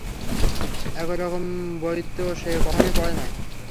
এইরকম বই তো সে কখনও পড়ে নাই!